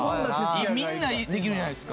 みんなできるじゃないですか。